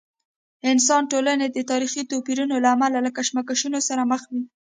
انسا ټولنې د تاریخي توپیرونو له امله له کشمکشونو سره مخ وي.